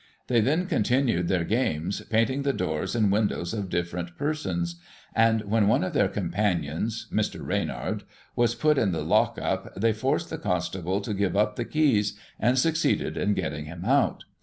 They then continued their g^ames, painting the doors and windows of different persons ; and, when one of their companions (Mr. Reynard) was put in the lock up, they forced the constable to give up the keys, and succeeded in getting him out.